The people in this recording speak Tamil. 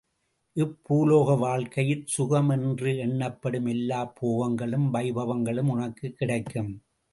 இப்பூலோக வாழ்க்கையிற் சுகம் என்று எண்ணப்படும் எல்லாப் போகங்களும் வைபவங்களும் உனக்குக் கிடைக்கும்.